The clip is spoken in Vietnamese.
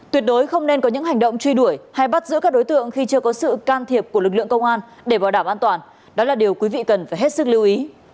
tuyệt đối không nên có những hành động truy đuổi hay bắt giữ các đối tượng khi chưa có sự can thiệp của lực lượng công an để bảo đảm an toàn đó là điều quý vị cần phải hết sức lưu ý